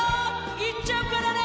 行っちゃうからね